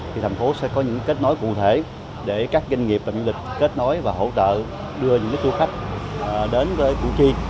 thì thành phố sẽ có những kết nối cụ thể để các doanh nghiệp và du lịch kết nối và hỗ trợ đưa những du khách đến với củ chi